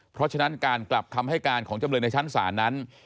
เพราะฉะนั้นการกลับคำให้การของจำเลยในชั้นศาลนั้น